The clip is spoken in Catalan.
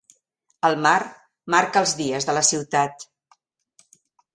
El mar marca els dies de la ciutat.